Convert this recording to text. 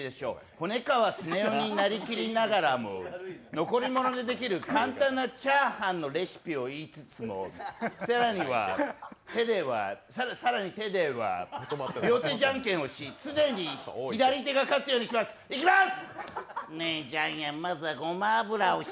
ホネカワスネオになりきりながらも残り物で出来る簡単なチャーハンのレシピを言いつつも更に手では両手じゃんけんをし常に左手が勝つようにします。いきます！